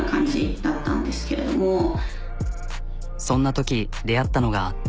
そんなとき出会ったのが。